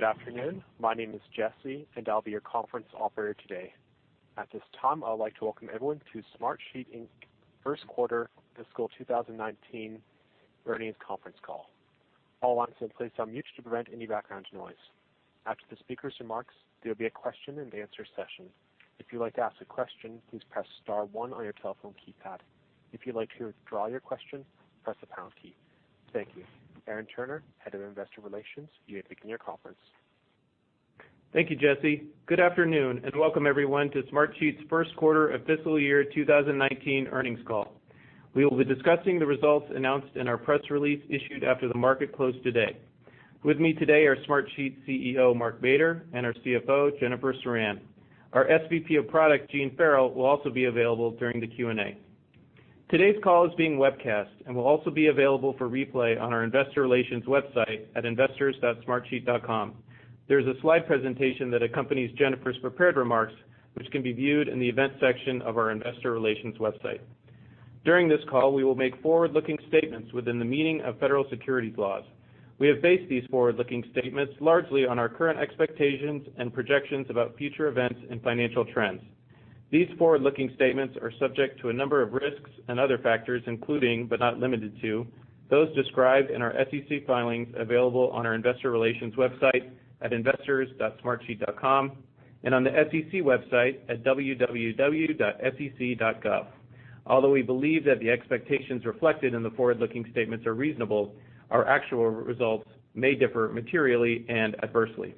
Good afternoon. My name is Jesse, and I'll be your conference operator today. At this time, I would like to welcome everyone to Smartsheet Inc.'s First Quarter Fiscal 2019 Earnings Conference Call. All lines are placed on mute to prevent any background noise. After the speaker's remarks, there will be a question-and-answer session. If you'd like to ask a question, please press star one on your telephone keypad. If you'd like to withdraw your question, press the pound key. Thank you. Aaron Turner, Head of Investor Relations, you may begin your conference. Thank you, Jesse. Good afternoon, and welcome everyone to Smartsheet's first quarter of fiscal year 2019 earnings call. We will be discussing the results announced in our press release issued after the market closed today. With me today are Smartsheet CEO, Mark Mader, and our CFO, Jennifer Ceran. Our SVP of Product, Gene Farrell, will also be available during the Q&A. Today's call is being webcast and will also be available for replay on our investor relations website at investors.smartsheet.com. There's a slide presentation that accompanies Jennifer's prepared remarks, which can be viewed in the event section of our investor relations website. These forward-looking statements are subject to a number of risks and other factors, including, but not limited to, those described in our SEC filings available on our investor relations website at investors.smartsheet.com and on the SEC website at www.sec.gov. Although we believe that the expectations reflected in the forward-looking statements are reasonable, our actual results may differ materially and adversely.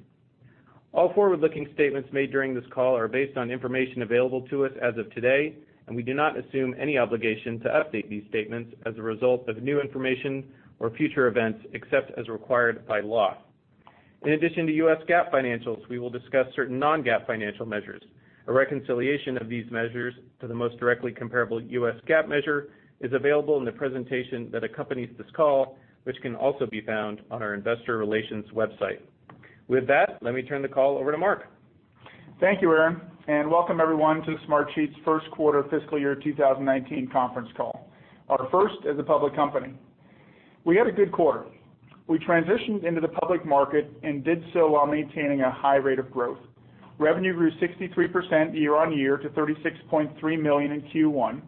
All forward-looking statements made during this call are based on information available to us as of today. We do not assume any obligation to update these statements as a result of new information or future events, except as required by law. In addition to US GAAP financials, we will discuss certain non-GAAP financial measures. A reconciliation of these measures to the most directly comparable US GAAP measure is available in the presentation that accompanies this call, which can also be found on our investor relations website. With that, let me turn the call over to Mark. Thank you, Aaron, and welcome everyone to Smartsheet's first quarter fiscal year 2019 conference call, our first as a public company. We had a good quarter. We transitioned into the public market and did so while maintaining a high rate of growth. Revenue grew 63% year-on-year to $36.3 million in Q1.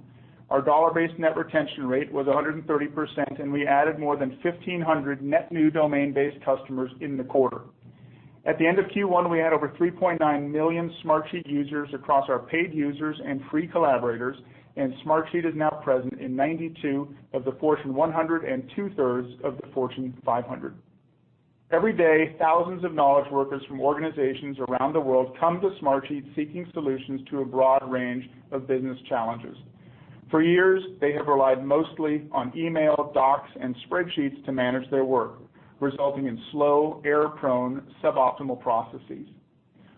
Our dollar-based net retention rate was 130%, and we added more than 1,500 net new domain-based customers in the quarter. At the end of Q1, we had over 3.9 million Smartsheet users across our paid users and free collaborators, and Smartsheet is now present in 92 of the Fortune 100 and two-thirds of the Fortune 500. Every day, thousands of knowledge workers from organizations around the world come to Smartsheet seeking solutions to a broad range of business challenges. For years, they have relied mostly on email, docs, and spreadsheets to manage their work, resulting in slow, error-prone, suboptimal processes.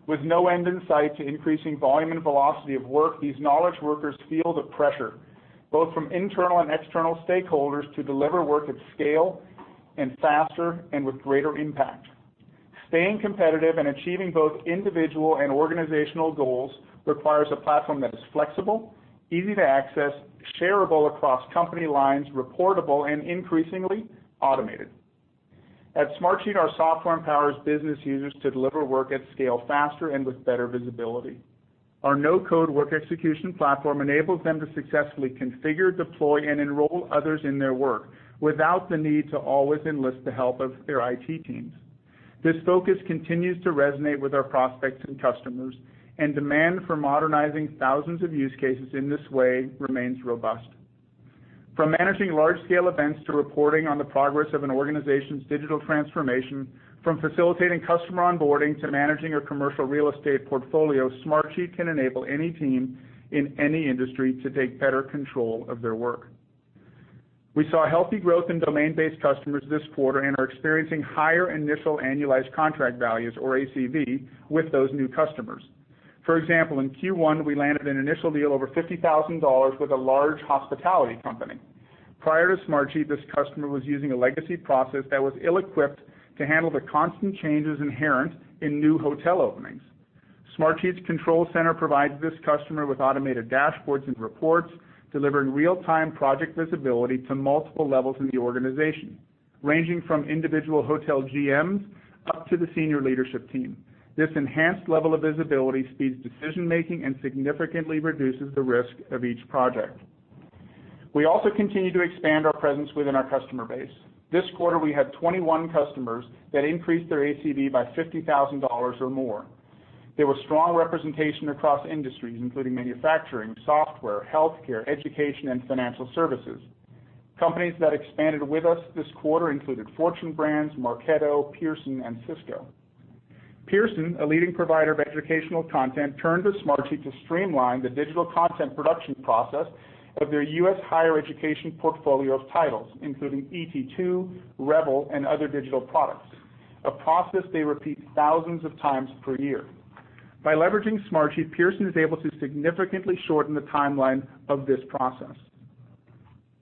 With no end in sight to increasing volume and velocity of work, these knowledge workers feel the pressure, both from internal and external stakeholders, to deliver work at scale and faster and with greater impact. Staying competitive and achieving both individual and organizational goals requires a platform that is flexible, easy to access, shareable across company lines, reportable, and increasingly automated. At Smartsheet, our software empowers business users to deliver work at scale faster and with better visibility. Our no-code work execution platform enables them to successfully configure, deploy, and enroll others in their work without the need to always enlist the help of their IT teams. This focus continues to resonate with our prospects and customers, and demand for modernizing thousands of use cases in this way remains robust. From managing large-scale events to reporting on the progress of an organization's digital transformation, from facilitating customer onboarding to managing a commercial real estate portfolio, Smartsheet can enable any team in any industry to take better control of their work. We saw healthy growth in domain-based customers this quarter and are experiencing higher initial annualized contract values, or ACV, with those new customers. For example, in Q1, we landed an initial deal over $50,000 with a large hospitality company. Prior to Smartsheet, this customer was using a legacy process that was ill-equipped to handle the constant changes inherent in new hotel openings. Smartsheet's Control Center provides this customer with automated dashboards and reports, delivering real-time project visibility to multiple levels in the organization, ranging from individual hotel GMs up to the senior leadership team. This enhanced level of visibility speeds decision-making and significantly reduces the risk of each project. We also continue to expand our presence within our customer base. This quarter, we had 21 customers that increased their ACV by $50,000 or more. There was strong representation across industries, including manufacturing, software, healthcare, education, and financial services. Companies that expanded with us this quarter included Fortune Brands, Marketo, Pearson, and Cisco. Pearson, a leading provider of educational content, turned to Smartsheet to streamline the digital content production process of their U.S. higher education portfolio of titles, including ET2, Revel, and other digital products, a process they repeat thousands of times per year. By leveraging Smartsheet, Pearson is able to significantly shorten the timeline of this process.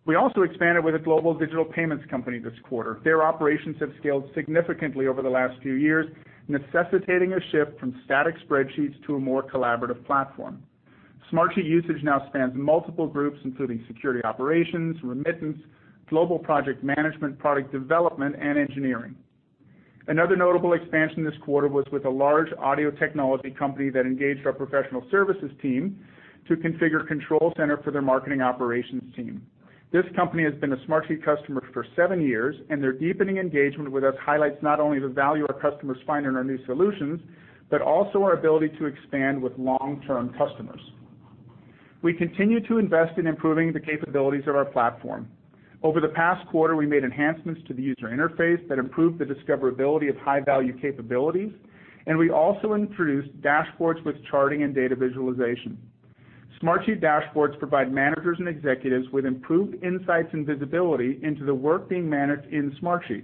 We also expanded with a global digital payments company this quarter. Their operations have scaled significantly over the last few years, necessitating a shift from static spreadsheets to a more collaborative platform. Smartsheet usage now spans multiple groups, including security operations, remittance, global project management, product development, and engineering. Another notable expansion this quarter was with a large audio technology company that engaged our professional services team to configure Control Center for their marketing operations team. This company has been a Smartsheet customer for seven years, and their deepening engagement with us highlights not only the value our customers find in our new solutions, but also our ability to expand with long-term customers. We continue to invest in improving the capabilities of our platform. Over the past quarter, we made enhancements to the user interface that improved the discoverability of high-value capabilities. We also introduced dashboards with charting and data visualization. Smartsheet dashboards provide managers and executives with improved insights and visibility into the work being managed in Smartsheet.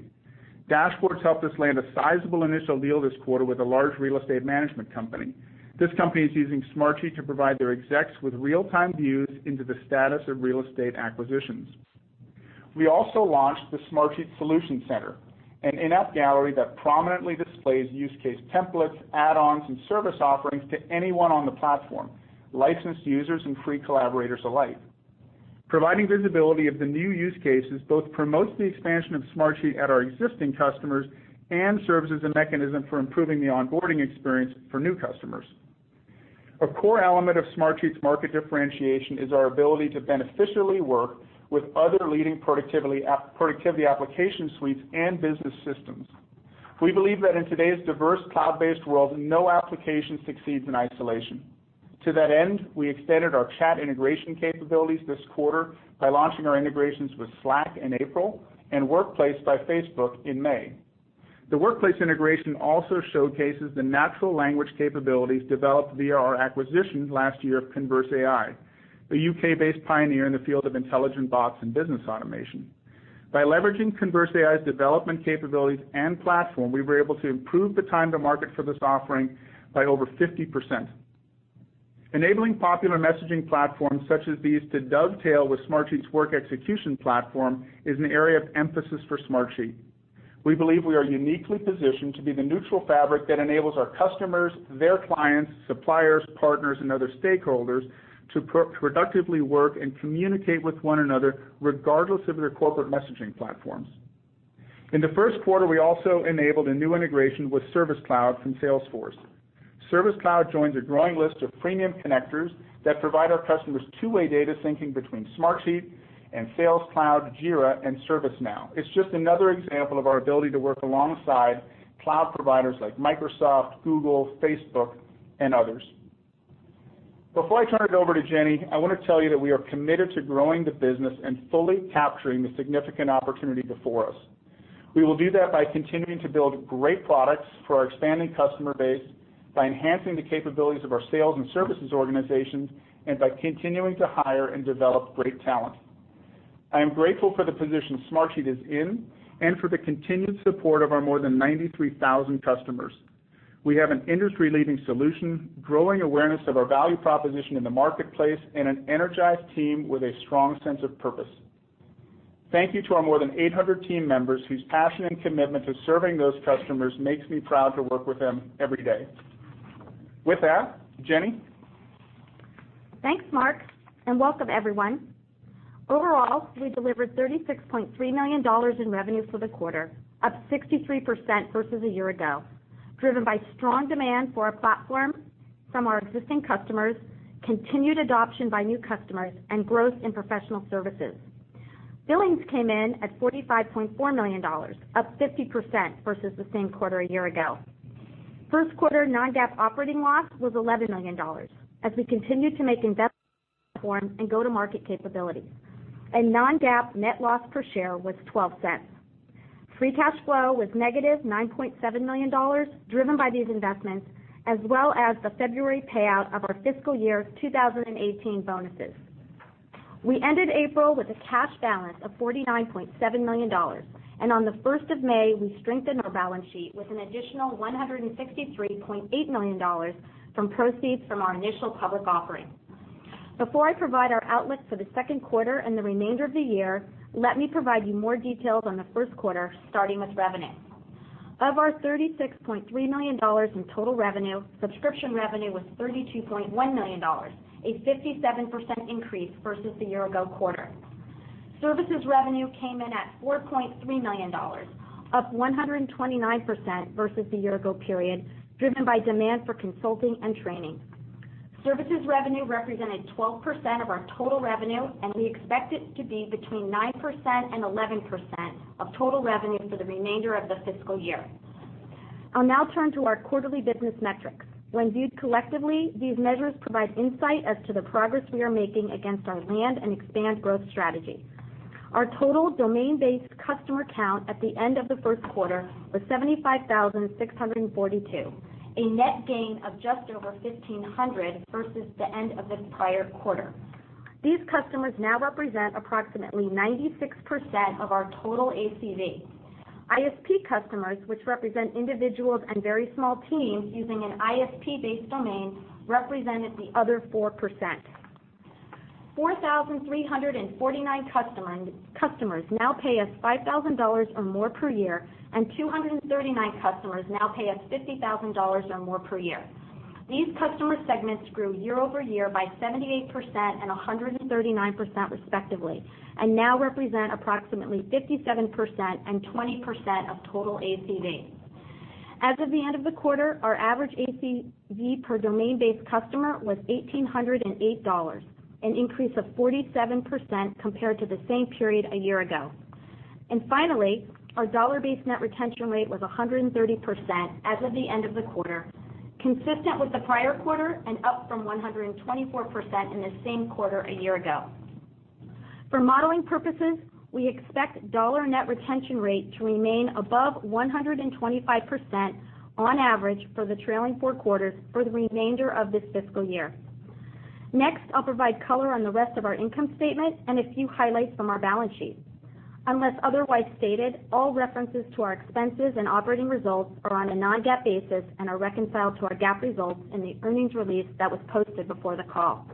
Dashboards helped us land a sizable initial deal this quarter with a large real estate management company. This company is using Smartsheet to provide their execs with real-time views into the status of real estate acquisitions. We also launched the Smartsheet Solution Center, an in-app gallery that prominently displays use case templates, add-ons, and service offerings to anyone on the platform, licensed users and free collaborators alike. Providing visibility of the new use cases both promotes the expansion of Smartsheet at our existing customers and serves as a mechanism for improving the onboarding experience for new customers. A core element of Smartsheet's market differentiation is our ability to beneficially work with other leading productivity application suites and business systems. We believe that in today's diverse cloud-based world, no application succeeds in isolation. To that end, we extended our chat integration capabilities this quarter by launching our integrations with Slack in April and Workplace by Facebook in May. The Workplace integration also showcases the natural language capabilities developed via our acquisition last year of Converse.AI, the U.K.-based pioneer in the field of intelligent bots and business automation. By leveraging Converse.AI's development capabilities and platform, we were able to improve the time to market for this offering by over 50%. Enabling popular messaging platforms such as these to dovetail with Smartsheet's work execution platform is an area of emphasis for Smartsheet. We believe we are uniquely positioned to be the neutral fabric that enables our customers, their clients, suppliers, partners, and other stakeholders to productively work and communicate with one another regardless of their corporate messaging platforms. In the first quarter, we also enabled a new integration with Service Cloud from Salesforce. Service Cloud joins a growing list of premium connectors that provide our customers two-way data syncing between Smartsheet and Sales Cloud, Jira, and ServiceNow. It's just another example of our ability to work alongside cloud providers like Microsoft, Google, Facebook, and others. Before I turn it over to Jenny, I want to tell you that we are committed to growing the business and fully capturing the significant opportunity before us. We will do that by continuing to build great products for our expanding customer base, by enhancing the capabilities of our sales and services organizations, and by continuing to hire and develop great talent. I am grateful for the position Smartsheet is in and for the continued support of our more than 93,000 customers. We have an industry-leading solution, growing awareness of our value proposition in the marketplace, and an energized team with a strong sense of purpose. Thank you to our more than 800 team members whose passion and commitment to serving those customers makes me proud to work with them every day. With that, Jenny? Thanks, Mark, welcome everyone. Overall, we delivered $36.3 million in revenue for the quarter, up 63% versus a year ago, driven by strong demand for our platform from our existing customers, continued adoption by new customers, and growth in professional services. Billings came in at $45.4 million, up 50% versus the same quarter a year ago. First quarter non-GAAP operating loss was $11 million, as we continued to make investments in the platform and go-to-market capabilities. Non-GAAP net loss per share was $0.12. Free cash flow was negative $9.7 million, driven by these investments, as well as the February payout of our fiscal year 2018 bonuses. We ended April with a cash balance of $49.7 million, and on the 1st of May, we strengthened our balance sheet with an additional $163.8 million from proceeds from our initial public offering. Before I provide our outlook for the second quarter and the remainder of the year, let me provide you more details on the first quarter, starting with revenue. Of our $36.3 million in total revenue, subscription revenue was $32.1 million, a 57% increase versus the year-ago quarter. Services revenue came in at $4.3 million, up 129% versus the year-ago period, driven by demand for consulting and training. Services revenue represented 12% of our total revenue, and we expect it to be between 9% and 11% of total revenue for the remainder of the fiscal year. I'll now turn to our quarterly business metrics. When viewed collectively, these measures provide insight as to the progress we are making against our land-and-expand growth strategy. Our total domain-based customer count at the end of the first quarter was 75,642, a net gain of just over 1,500 versus the end of the prior quarter. These customers now represent approximately 96% of our total ACV. ISP customers, which represent individuals and very small teams using an ISP-based domain, represented the other 4%. 4,349 customers now pay us $5,000 or more per year, and 239 customers now pay us $50,000 or more per year. These customer segments grew year-over-year by 78% and 139% respectively, and now represent approximately 57% and 20% of total ACV. As of the end of the quarter, our average ACV per domain-based customer was $1,808, an increase of 47% compared to the same period a year ago. Finally, our dollar-based net retention rate was 130% as of the end of the quarter, consistent with the prior quarter and up from 124% in the same quarter a year ago. For modeling purposes, we expect dollar net retention rate to remain above 125% on average for the trailing four quarters for the remainder of this fiscal year. Next, I'll provide color on the rest of our income statement and a few highlights from our balance sheet. Unless otherwise stated, all references to our expenses and operating results are on a non-GAAP basis and are reconciled to our GAAP results in the earnings release that was posted before the call.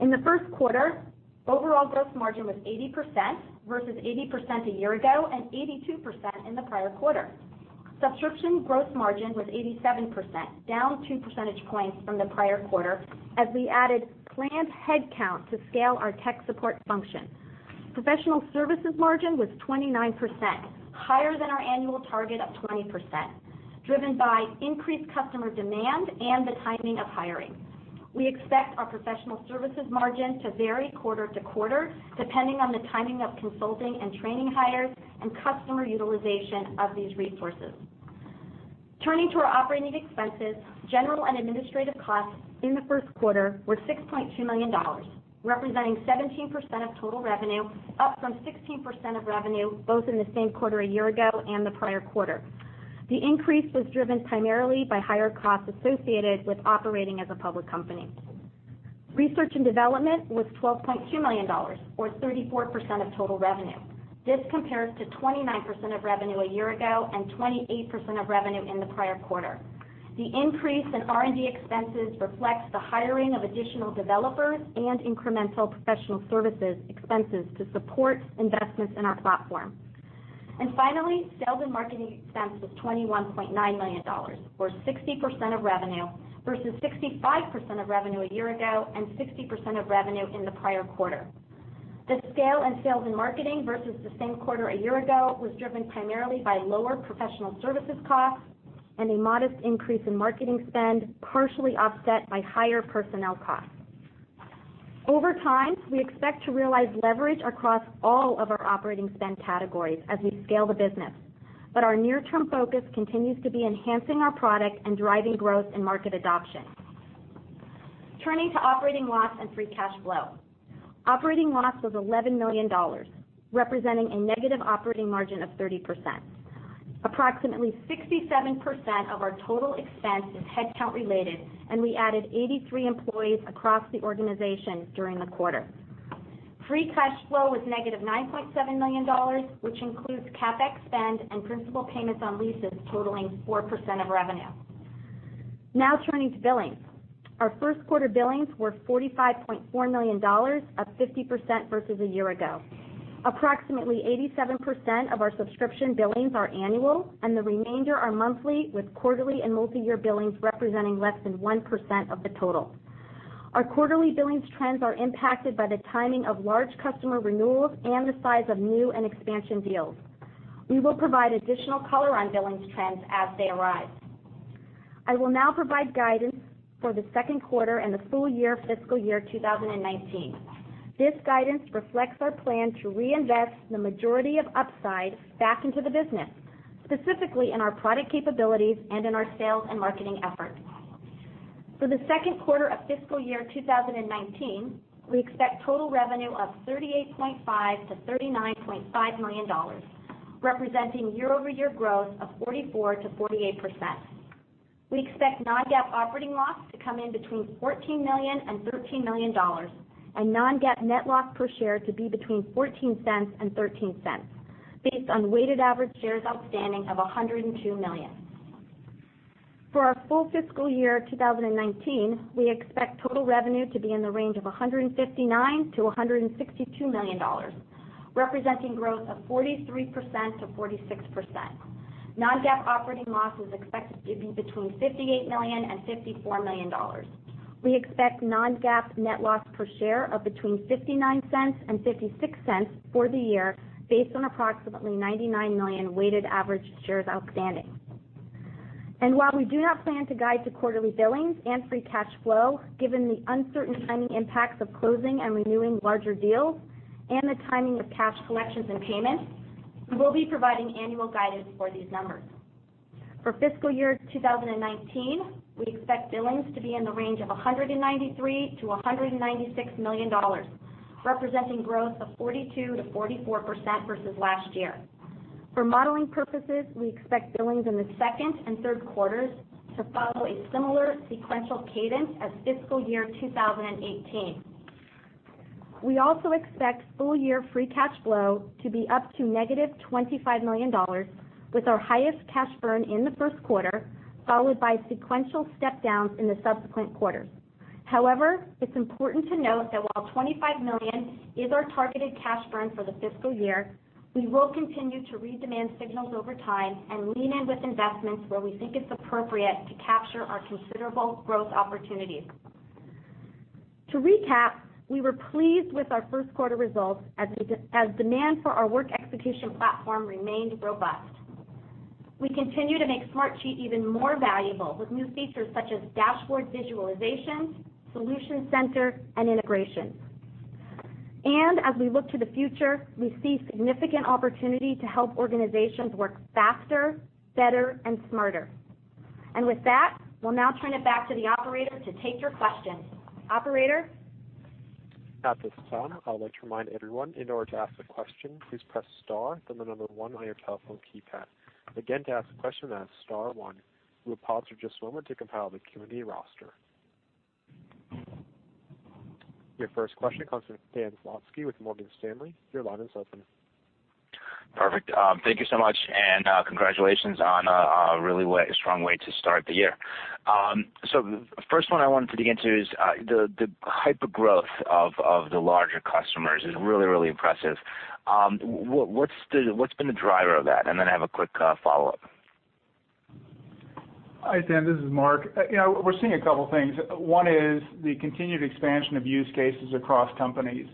In the first quarter, overall gross margin was 80% versus 80% a year ago and 82% in the prior quarter. Subscription gross margin was 87%, down two percentage points from the prior quarter as we added planned headcount to scale our tech support function. Professional services margin was 29%, higher than our annual target of 20%, driven by increased customer demand and the timing of hiring. We expect our professional services margin to vary quarter to quarter, depending on the timing of consulting and training hires and customer utilization of these resources. Turning to our operating expenses, general and administrative costs in the first quarter were $6.2 million, representing 17% of total revenue, up from 16% of revenue, both in the same quarter a year ago and the prior quarter. The increase was driven primarily by higher costs associated with operating as a public company. Research and development was $12.2 million, or 34% of total revenue. This compares to 29% of revenue a year ago and 28% of revenue in the prior quarter. The increase in R&D expenses reflects the hiring of additional developers and incremental professional services expenses to support investments in our platform. Finally, sales and marketing expense was $21.9 million, or 60% of revenue versus 65% of revenue a year ago and 60% of revenue in the prior quarter. The scale in sales and marketing versus the same quarter a year ago was driven primarily by lower professional services costs and a modest increase in marketing spend, partially offset by higher personnel costs. Over time, we expect to realize leverage across all of our operating spend categories as we scale the business. Our near-term focus continues to be enhancing our product and driving growth and market adoption. Turning to operating loss and free cash flow. Operating loss was $11 million, representing a negative operating margin of 30%. Approximately 67% of our total expense is headcount-related, and we added 83 employees across the organization during the quarter. Free cash flow was negative $9.7 million, which includes CapEx spend and principal payments on leases totaling 4% of revenue. Now turning to billings. Our first quarter billings were $45.4 million, up 50% versus a year ago. Approximately 87% of our subscription billings are annual, and the remainder are monthly, with quarterly and multi-year billings representing less than 1% of the total. Our quarterly billings trends are impacted by the timing of large customer renewals and the size of new and expansion deals. We will provide additional color on billings trends as they arrive. I will now provide guidance for the second quarter and the full year fiscal year 2019. This guidance reflects our plan to reinvest the majority of upside back into the business, specifically in our product capabilities and in our sales and marketing efforts. For the second quarter of fiscal year 2019, we expect total revenue of $38.5 million-$39.5 million, representing year-over-year growth of 44%-48%. We expect non-GAAP operating loss to come in between $14 million and $13 million, and non-GAAP net loss per share to be between $0.14 and $0.13, based on weighted average shares outstanding of 102 million. For our full fiscal year 2019, we expect total revenue to be in the range of $159 million-$162 million, representing growth of 43%-46%. Non-GAAP operating loss is expected to be between $58 million and $54 million. We expect non-GAAP net loss per share of between $0.59 and $0.56 for the year based on approximately 99 million weighted average shares outstanding. While we do not plan to guide to quarterly billings and free cash flow, given the uncertain timing impacts of closing and renewing larger deals and the timing of cash collections and payments, we will be providing annual guidance for these numbers. For fiscal year 2019, we expect billings to be in the range of $193 million-$196 million, representing growth of 42%-44% versus last year. For modeling purposes, we expect billings in the second and third quarters to follow a similar sequential cadence as fiscal year 2018. We also expect full year free cash flow to be up to negative $25 million with our highest cash burn in the first quarter, followed by sequential step downs in the subsequent quarters. It's important to note that while $25 million is our targeted cash burn for the fiscal year, we will continue to read demand signals over time and lean in with investments where we think it's appropriate to capture our considerable growth opportunities. To recap, we were pleased with our first quarter results as demand for our work execution platform remained robust. We continue to make Smartsheet even more valuable with new features such as dashboard visualization, Solution Center, and integration. As we look to the future, we see significant opportunity to help organizations work faster, better, and smarter. With that, we'll now turn it back to the operator to take your questions. Operator? At this time, I would like to remind everyone, in order to ask a question, please press star, then the number one on your telephone keypad. Again, to ask a question, that's star one. We will pause for just a moment to compile the Q&A roster. Your first question comes from Stan Zlotsky with Morgan Stanley. Your line is open. Perfect. Thank you so much, and congratulations on a really strong way to start the year. The first one I wanted to dig into is the hyper-growth of the larger customers is really, really impressive. What's been the driver of that? I have a quick follow-up. Hi, Stan. This is Mark. We're seeing a couple things. One is the continued expansion of use cases across companies.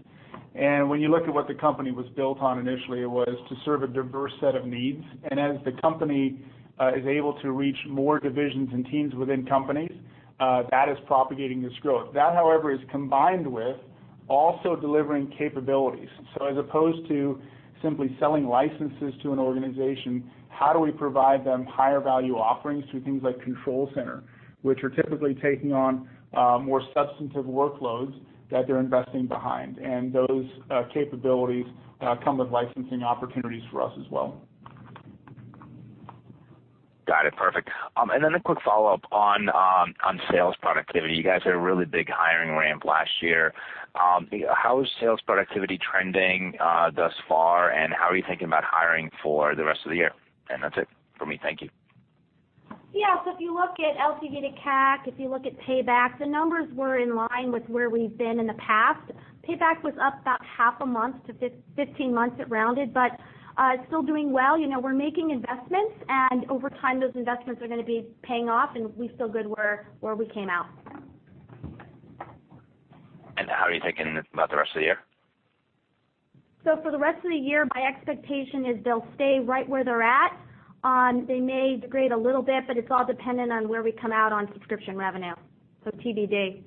When you look at what the company was built on initially, it was to serve a diverse set of needs. As the company is able to reach more divisions and teams within companies, that is propagating this growth. That, however, is combined with also delivering capabilities. As opposed to simply selling licenses to an organization, how do we provide them higher-value offerings through things like Control Center, which are typically taking on more substantive workloads that they're investing behind. Those capabilities come with licensing opportunities for us as well. Got it, perfect. A quick follow-up on sales productivity. You guys had a really big hiring ramp last year. How is sales productivity trending thus far, and how are you thinking about hiring for the rest of the year? That's it for me. Thank you. If you look at LTV to CAC, if you look at payback, the numbers were in line with where we've been in the past. Payback was up about half a month to 15 months it rounded, but still doing well. We're making investments, and over time, those investments are going to be paying off, and we feel good where we came out. How are you thinking about the rest of the year? For the rest of the year, my expectation is they'll stay right where they're at. They may degrade a little bit, but it's all dependent on where we come out on subscription revenue. TBD.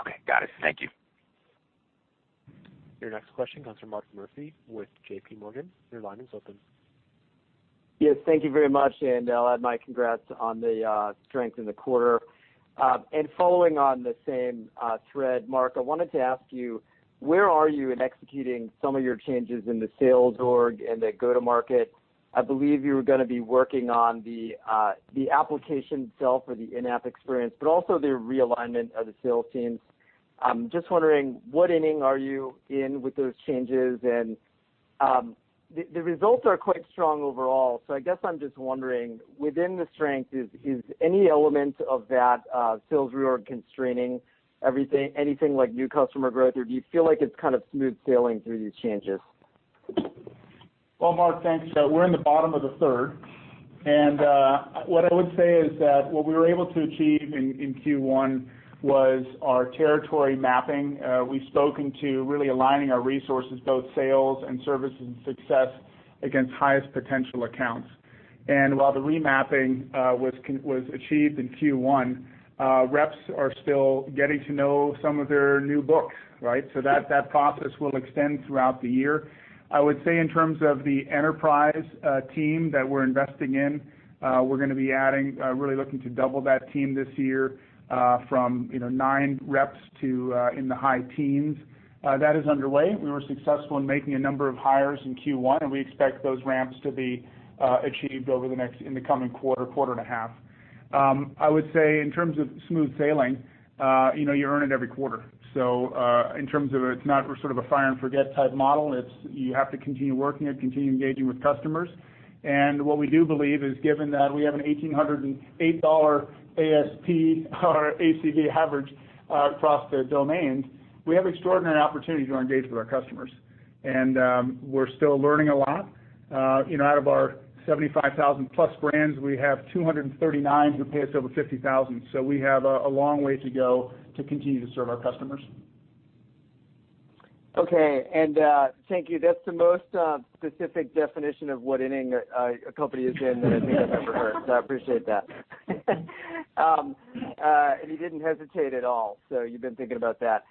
Okay, got it. Thank you. Your next question comes from Mark Murphy with J.P. Morgan. Your line is open. Yes, thank you very much. I'll add my congrats on the strength in the quarter. Following on the same thread, Mark, I wanted to ask you, where are you in executing some of your changes in the sales org and the go-to-market? I believe you were going to be working on the application itself or the in-app experience, but also the realignment of the sales teams. I'm just wondering what inning are you in with those changes? The results are quite strong overall. I guess I'm just wondering, within the strength, is any element of that sales reorg constraining anything like new customer growth, or do you feel like it's kind of smooth sailing through these changes? Well, Mark, thanks. We're in the bottom of the third. What I would say is that what we were able to achieve in Q1 was our territory mapping. We've spoken to really aligning our resources, both sales and services success, against highest potential accounts. While the remapping was achieved in Q1, reps are still getting to know some of their new books, right? That process will extend throughout the year. I would say in terms of the enterprise team that we're investing in, we're going to be adding, really looking to double that team this year, from nine reps to in the high teens. That is underway. We were successful in making a number of hires in Q1, and we expect those ramps to be achieved in the coming quarter and a half. I would say in terms of smooth sailing, you earn it every quarter. In terms of it's not sort of a fire and forget type model. You have to continue working and continue engaging with customers. What we do believe is given that we have an $1,808 ASP or ACV average across the domains, we have extraordinary opportunities to engage with our customers. We're still learning a lot. Out of our 75,000-plus brands, we have 239 who pay us over 50,000. We have a long way to go to continue to serve our customers. Okay, thank you. That's the most specific definition of what inning a company is in than I think I've ever heard. I appreciate that. You didn't hesitate at all, so you've been thinking about that.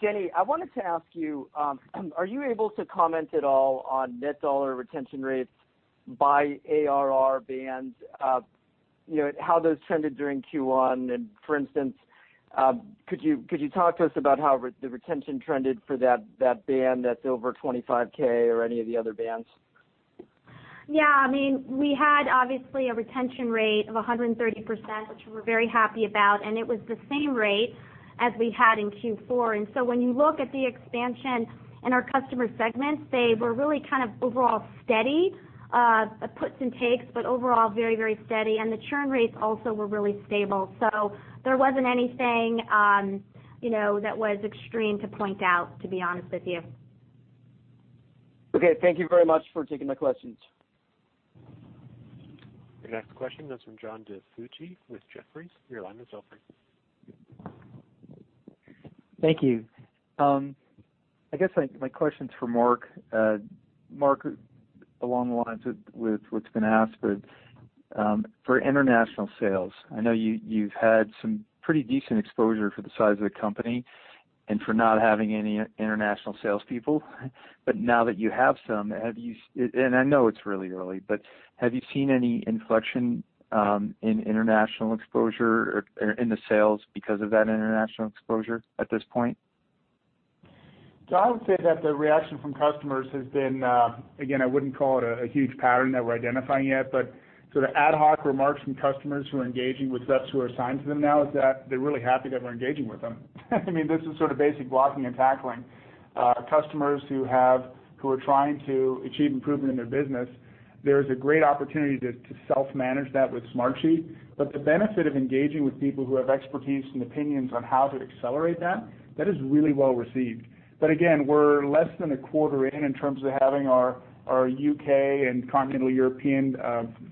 Jenny, I wanted to ask you, are you able to comment at all on net dollar retention rates by ARR bands, how those trended during Q1? For instance, could you talk to us about how the retention trended for that band that's over 25K or any of the other bands? Yeah, I mean, We had obviously a retention rate of 130%, which we're very happy about, and it was the same rate as we had in Q4. When you look at the expansion in our customer segments, they were really overall steady, puts and takes, but overall very steady. The churn rates also were really stable. There wasn't anything that was extreme to point out, to be honest with you. Okay. Thank you very much for taking my questions. Your next question comes from John DiFucci with Jefferies. Your line is open. Thank you. I guess my question's for Mark. Mark, along the lines with what's been asked, for international sales, I know you've had some pretty decent exposure for the size of the company and for not having any international salespeople. Now that you have some, and I know it's really early, but have you seen any inflection in international exposure or in the sales because of that international exposure at this point? I would say that the reaction from customers has been, again, I wouldn't call it a huge pattern that we're identifying yet, but sort of ad hoc remarks from customers who are engaging with reps who are assigned to them now is that they're really happy that we're engaging with them. This is sort of basic blocking and tackling. Customers who are trying to achieve improvement in their business, there's a great opportunity to self-manage that with Smartsheet. The benefit of engaging with people who have expertise and opinions on how to accelerate that is really well-received. Again, we're less than a quarter in terms of having our U.K. and continental European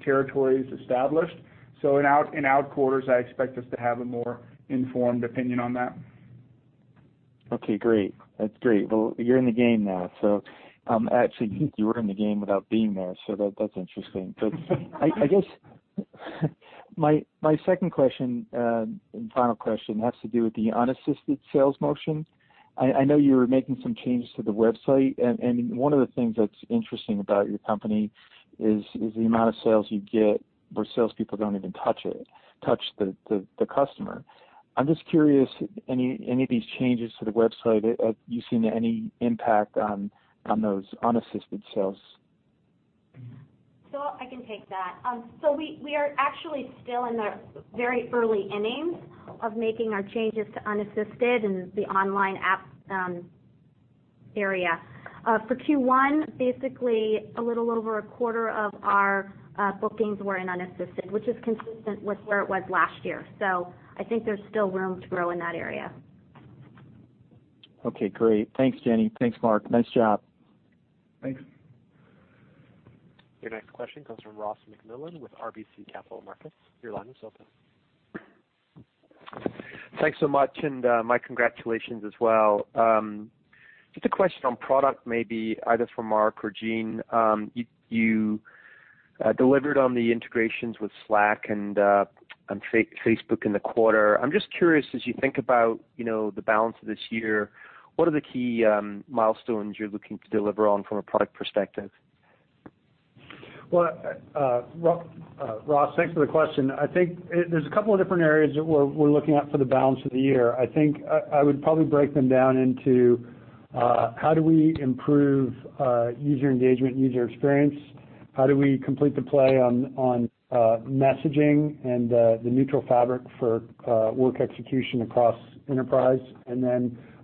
territories established. In out quarters, I expect us to have a more informed opinion on that. Okay, great. That's great. Well, you're in the game now. Actually, you were in the game without being there, so that's interesting. I guess my second question, and final question, has to do with the unassisted sales motion. I know you were making some changes to the website, and one of the things that's interesting about your company is the amount of sales you get where salespeople don't even touch the customer. I'm just curious, any of these changes to the website, have you seen any impact on those unassisted sales? I can take that. We are actually still in the very early innings of making our changes to unassisted and the online app area. For Q1, basically a little over a quarter of our bookings were in unassisted, which is consistent with where it was last year. I think there's still room to grow in that area. Okay, great. Thanks, Jenny. Thanks, Mark. Nice job. Thanks. Your next question comes from Ross MacMillan with RBC Capital Markets. Your line is open. Thanks so much, and my congratulations as well. Just a question on product, maybe either for Mark or Gene. You delivered on the integrations with Slack and Facebook in the quarter. I'm just curious, as you think about the balance of this year, what are the key milestones you're looking to deliver on from a product perspective? Well, Ross, thanks for the question. I think there's a couple of different areas that we're looking at for the balance of the year. I think I would probably break them down into, how do we improve user engagement, user experience? How do we complete the play on messaging and the neutral fabric for work execution across enterprise?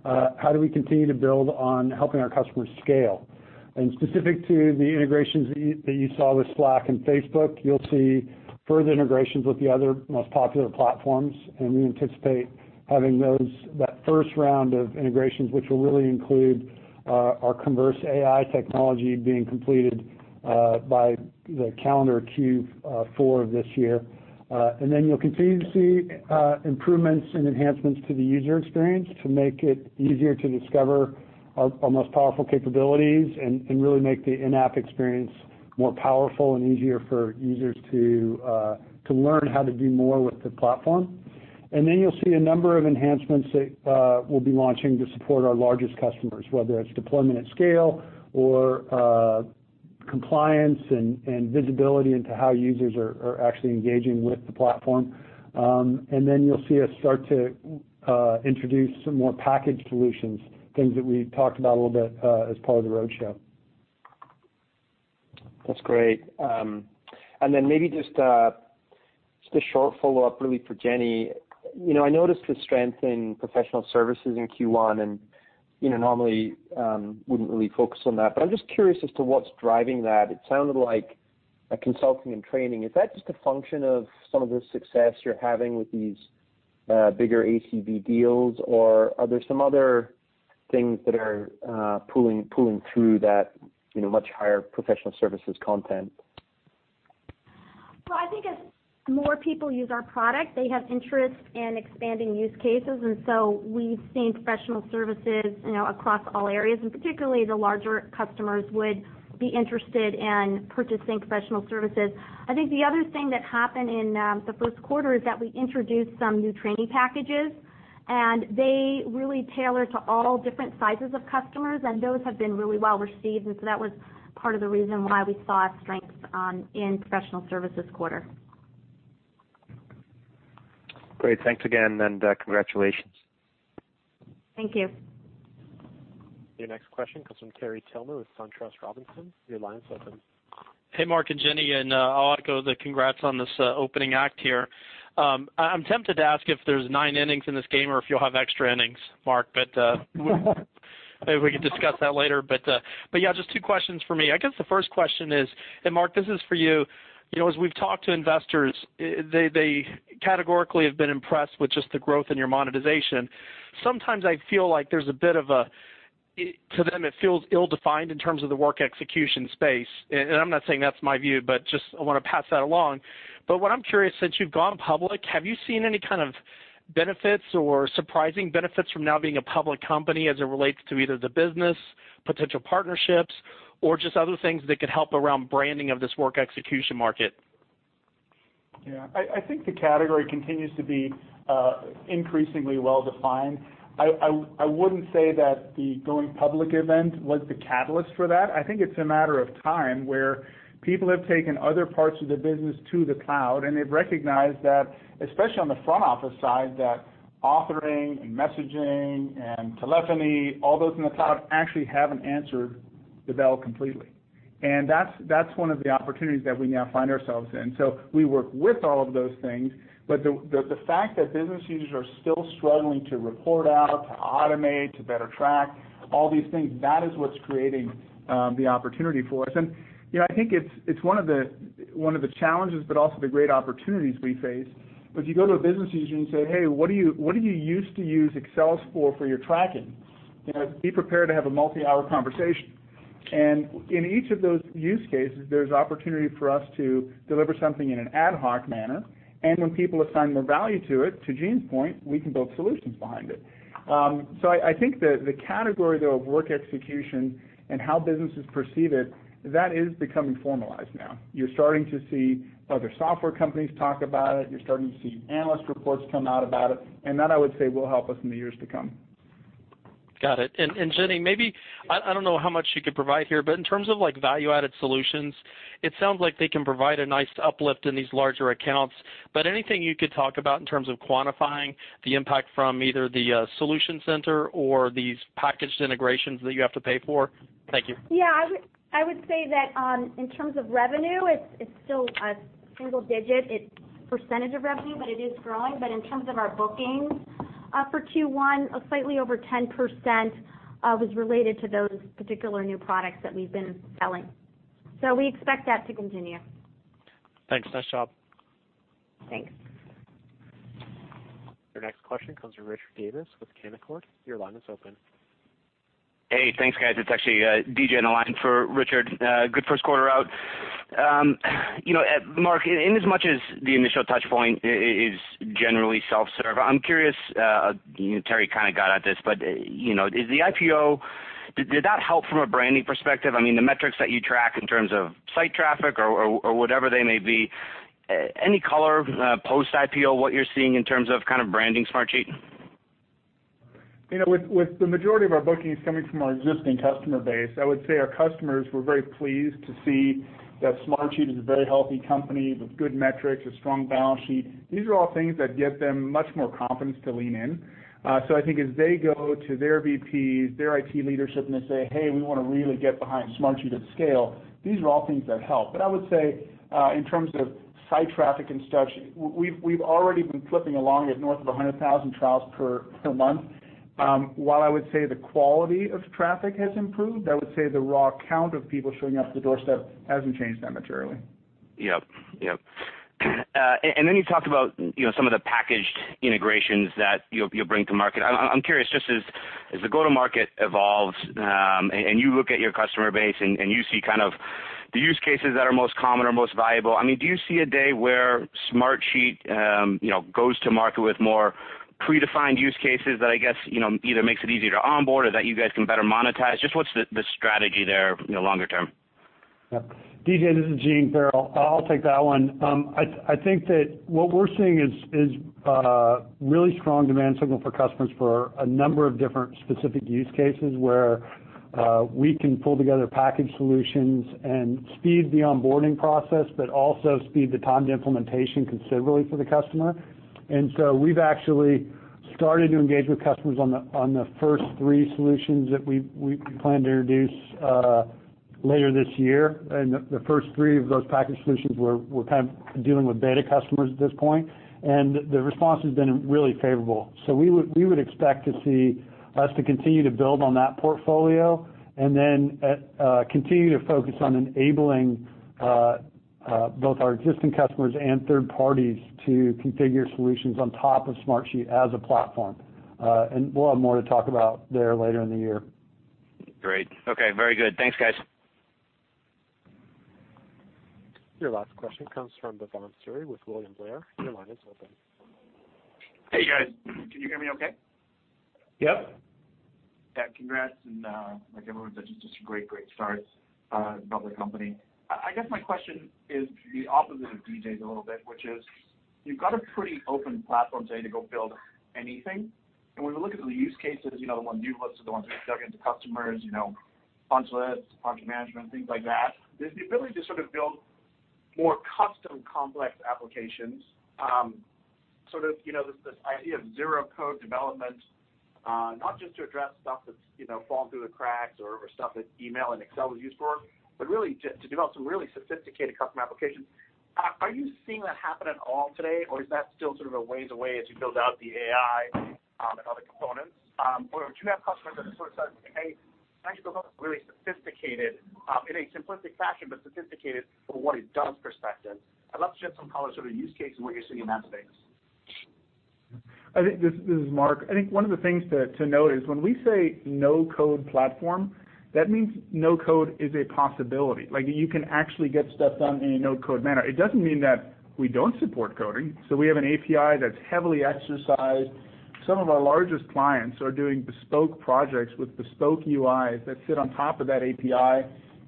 How do we continue to build on helping our customers scale? Specific to the integrations that you saw with Slack and Facebook, you'll see further integrations with the other most popular platforms, and we anticipate having that first round of integrations, which will really include our Converse.AI technology being completed by the calendar Q4 of this year. You'll continue to see improvements and enhancements to the user experience to make it easier to discover our most powerful capabilities and really make the in-app experience more powerful and easier for users to learn how to do more with the platform. You'll see a number of enhancements that we'll be launching to support our largest customers, whether it's deployment at scale or compliance and visibility into how users are actually engaging with the platform. You'll see us start to introduce some more packaged solutions, things that we talked about a little bit as part of the roadshow. That's great. Then maybe just a short follow-up, really for Jenny. I noticed the strength in professional services in Q1, and normally wouldn't really focus on that, but I'm just curious as to what's driving that. It sounded like a consulting and training. Is that just a function of some of the success you're having with these bigger ACV deals, or are there some other things that are pulling through that much higher professional services content? Well, I think as more people use our product, they have interest in expanding use cases, and so we've seen professional services across all areas, and particularly the larger customers would be interested in purchasing professional services. I think the other thing that happened in the first quarter is that we introduced some new training packages, and they really tailor to all different sizes of customers, and those have been really well received. So that was part of the reason why we saw a strength in professional services quarter. Great. Thanks again, and congratulations. Thank you. Your next question comes from Terry Tillman with SunTrust Robinson. Your line is open. Hey, Mark and Jenny, I want to echo the congrats on this opening act here. I'm tempted to ask if there's nine innings in this game or if you'll have extra innings, Mark. Maybe we can discuss that later. Yeah, just two questions from me. I guess the first question is, Mark, this is for you, as we've talked to investors, they categorically have been impressed with just the growth in your monetization. Sometimes I feel like there's a bit of a, to them, it feels ill-defined in terms of the work execution space. I'm not saying that's my view, but just I want to pass that along. What I'm curious, since you've gone public, have you seen any kind of benefits or surprising benefits from now being a public company as it relates to either the business, potential partnerships, or just other things that could help around branding of this work execution market? Yeah. I think the category continues to be increasingly well-defined. I wouldn't say that the going public event was the catalyst for that. I think it's a matter of time, where people have taken other parts of the business to the cloud, and they've recognized that, especially on the front office side, that authoring and messaging and telephony, all those in the cloud, actually haven't answered the bell completely. That's one of the opportunities that we now find ourselves in. We work with all of those things, but the fact that business users are still struggling to report out, to automate, to better track, all these things, that is what's creating the opportunity for us. I think it's one of the challenges, but also the great opportunities we face. If you go to a business user and say, "Hey, what did you used to use Excel for your tracking?" Be prepared to have a multi-hour conversation. In each of those use cases, there's opportunity for us to deliver something in an ad hoc manner. When people assign more value to it, to Gene's point, we can build solutions behind it. I think the category, though, of work execution and how businesses perceive it, that is becoming formalized now. You're starting to see other software companies talk about it. You're starting to see analyst reports come out about it, That, I would say, will help us in the years to come. Got it. Jenny, maybe, I don't know how much you could provide here, in terms of value-added solutions, it sounds like they can provide a nice uplift in these larger accounts. Anything you could talk about in terms of quantifying the impact from either the Solution Center or these packaged integrations that you have to pay for? Thank you. I would say that, in terms of revenue, it's still a single digit. It's percentage of revenue, it is growing. In terms of our bookings, for Q1, slightly over 10% was related to those particular new products that we've been selling. We expect that to continue. Thanks. Nice job. Thanks. Your next question comes from Richard Davis with Canaccord. Your line is open. Hey, thanks, guys. It's actually DJ on the line for Richard. Good first quarter out. Mark, in as much as the initial touchpoint is generally self-serve, I'm curious, Terry kind of got at this, did the IPO, did that help from a branding perspective? I mean, the metrics that you track in terms of site traffic or whatever they may be, any color post-IPO, what you're seeing in terms of branding Smartsheet? With the majority of our bookings coming from our existing customer base, I would say our customers were very pleased to see that Smartsheet is a very healthy company with good metrics, a strong balance sheet. These are all things that give them much more confidence to lean in. I think as they go to their VPs, their IT leadership, and they say, "Hey, we want to really get behind Smartsheet at scale," these are all things that help. I would say, in terms of site traffic and such, we've already been clipping along at north of 100,000 trials per month. While I would say the quality of traffic has improved, I would say the raw count of people showing up at the doorstep hasn't changed that materially. Yep. Then you talked about some of the packaged integrations that you'll bring to market. I'm curious, just as the go-to market evolves, and you look at your customer base, and you see the use cases that are most common or most valuable, do you see a day where Smartsheet goes to market with more predefined use cases that, I guess, either makes it easier to onboard or that you guys can better monetize? Just what's the strategy there longer term? DJ, this is Gene Farrell. I'll take that one. I think that what we're seeing is a really strong demand signal for customers for a number of different specific use cases, where we can pull together package solutions and speed the onboarding process, but also speed the time to implementation considerably for the customer. We've actually started to engage with customers on the first three solutions that we plan to introduce later this year. The first three of those package solutions, we're kind of dealing with beta customers at this point, and the response has been really favorable. We would expect to see us to continue to build on that portfolio and then continue to focus on enabling both our existing customers and third parties to configure solutions on top of Smartsheet as a platform. We'll have more to talk about there later in the year. Great. Okay. Very good. Thanks, guys. Your last question comes from Bhavan Suri with William Blair. Your line is open. Hey, guys. Can you hear me okay? Yep. Yeah. Congrats, like everyone said, just a great start as a public company. I guess my question is the opposite of DJ's a little bit, which is, you've got a pretty open platform today to go build anything. When we look at the use cases, the more new ones are the ones we dug into customers, function lists, function management, things like that. There's the ability to build more custom complex applications, this idea of zero-code development, not just to address stuff that's fallen through the cracks or stuff that email and Excel was used for, but really to develop some really sophisticated custom applications. Are you seeing that happen at all today, or is that still sort of a ways away as you build out the AI and other components? Do you have customers that are sort of saying, "Hey, can actually build something really sophisticated, in a simplistic fashion, but sophisticated from a what-it-does perspective?" I'd love to shed some color sort of use case and what you're seeing in that space. This is Mark. I think one of the things to note is when we say no-code platform, that means no code is a possibility. You can actually get stuff done in a no-code manner. It doesn't mean that we don't support coding. We have an API that's heavily exercised. Some of our largest clients are doing bespoke projects with bespoke UIs that sit on top of that API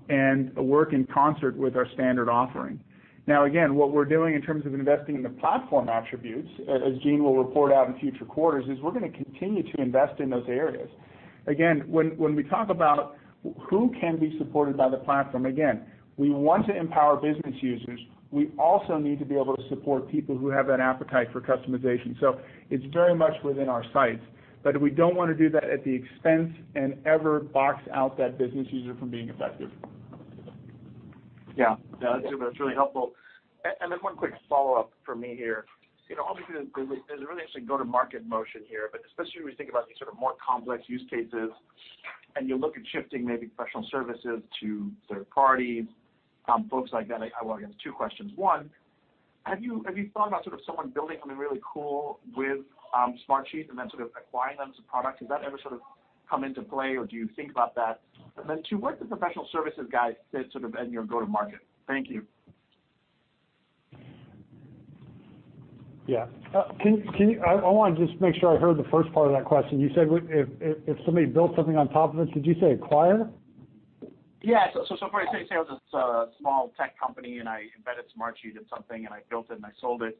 and work in concert with our standard offering. Again, what we're doing in terms of investing in the platform attributes, as Gene will report out in future quarters, is we're going to continue to invest in those areas. Again, when we talk about who can be supported by the platform, again, we want to empower business users. We also need to be able to support people who have that appetite for customization. It's very much within our sights, but we don't want to do that at the expense and ever box out that business user from being effective. Yeah. No, that's really helpful. Then one quick follow-up from me here. Obviously, there's a really interesting go-to-market motion here, but especially when we think about these sort of more complex use cases and you look at shifting maybe professional services to third parties, folks like that, I guess two questions. One, have you thought about sort of someone building something really cool with Smartsheet and then sort of acquiring them as a product? Has that ever sort of come into play, or do you think about that? Then two, what do the professional services guys sit sort of in your go to market? Thank you. Yeah. I want to just make sure I heard the first part of that question. You said if somebody built something on top of it, did you say acquire? Yeah. If, say, I was a small tech company and I embedded Smartsheet in something, and I built it, and I sold it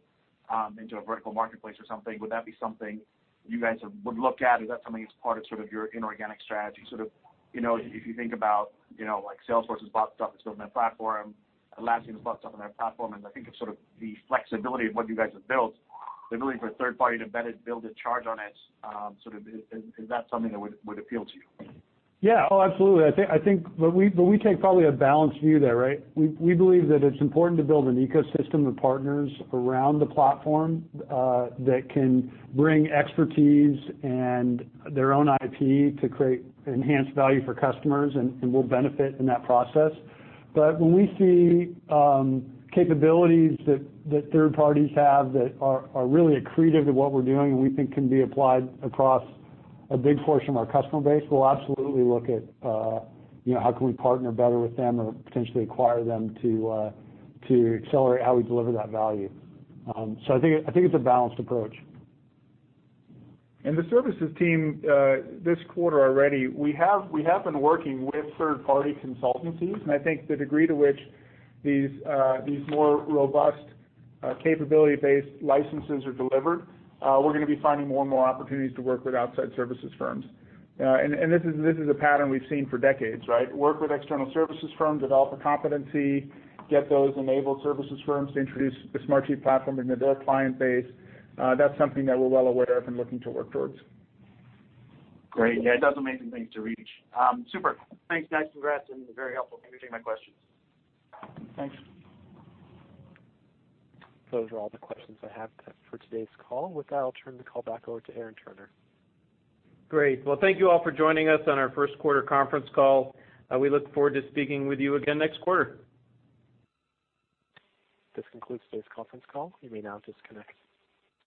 into a vertical marketplace or something, would that be something you guys would look at? Is that something that's part of sort of your inorganic strategy? If you think about like Salesforce has bought stuff that's built on their platform, Atlassian has bought stuff on their platform, and I think of sort of the flexibility of what you guys have built, the ability for a third party to embed it, build and charge on it, is that something that would appeal to you? Yeah. Oh, absolutely. I think we take probably a balanced view there, right? We believe that it's important to build an ecosystem of partners around the platform that can bring expertise and their own IP to create enhanced value for customers and will benefit in that process. When we see capabilities that third parties have that are really accretive to what we're doing and we think can be applied across a big portion of our customer base, we'll absolutely look at how can we partner better with them or potentially acquire them to accelerate how we deliver that value. I think it's a balanced approach. The services team, this quarter already, we have been working with third-party consultancies, and I think the degree to which these more robust capability-based licenses are delivered, we're going to be finding more and more opportunities to work with outside services firms. This is a pattern we've seen for decades, right? Work with external services firms, develop a competency, get those enabled services firms to introduce the Smartsheet platform into their client base. That's something that we're well aware of and looking to work towards. Great. Yeah, it does amazing things to reach. Super. Thanks, guys. Congrats, very helpful. Thank you for taking my questions. Thanks. Those are all the questions I have for today's call. With that, I'll turn the call back over to Aaron Turner. Great. Well, thank you all for joining us on our first quarter conference call. We look forward to speaking with you again next quarter. This concludes today's conference call. You may now disconnect.